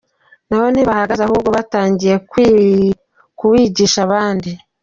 Nabo ntibahagaze ahubwo batangiye kuwigisha abandi.